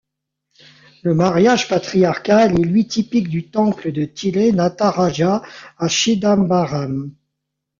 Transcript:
Le mariage patriarcal est lui typique du temple de Thillai Nataraja à Chidambaram.